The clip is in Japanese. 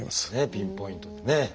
ピンポイントでね。